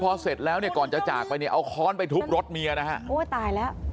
พอเสร็จแล้วก่อนจะจากไปเนี่ยเอาคร้อนไปทุบรถเมียนะฮะ